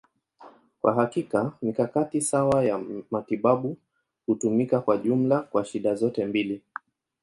Kwa hakika, mikakati sawa ya matibabu hutumika kwa jumla kwa shida zote mbili.